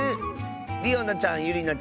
りおなちゃんゆりなちゃん